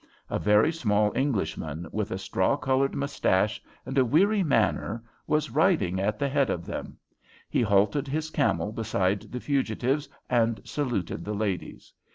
A very small Englishman, with a straw coloured moustache and a weary manner, was riding at the head of them. He halted his camel beside the fugitives and saluted the ladies.